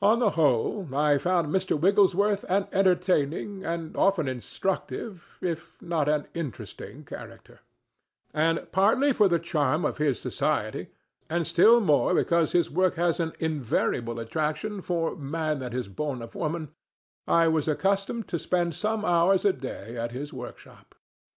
On the whole, I found Mr. Wigglesworth an entertaining, and often instructive, if not an interesting, character; and, partly for the charm of his society, and still more because his work has an invariable attraction for "man that is born of woman," I was accustomed to spend some hours a day at his workshop.